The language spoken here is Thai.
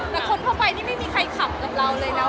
แต่คนเพราะใครไม่มีใครขำกับเราเลยนะ